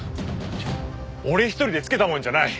俺一人で付けたもんじゃない。